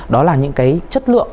đó là những cái chất lượng